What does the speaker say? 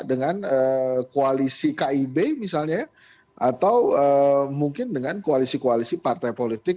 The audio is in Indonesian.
dengan koalisi kib misalnya atau mungkin dengan koalisi koalisi partai politik